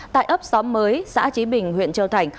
tại ấp xóm mới xã trí bình huyện châu thành